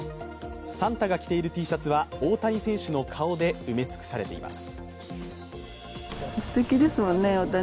サンタが着ているＴシャツは大谷選手の顔で埋め尽くされています。